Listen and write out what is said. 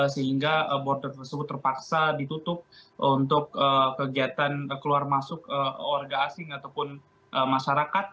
sehingga border tersebut terpaksa ditutup untuk kegiatan keluar masuk warga asing ataupun masyarakat